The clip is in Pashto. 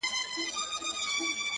تل زبون دي په وطن کي دښمنان وي.!